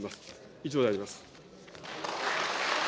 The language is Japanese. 以上であります。